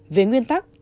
với nguyên tắc năm k